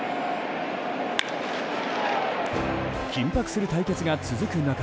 緊迫する対決が続く中